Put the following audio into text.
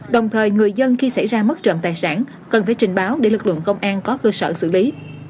đồng thời người dân khi xảy ra mất trộm tài sản cần phải trình báo để lực lượng công an có cơ sở xử lý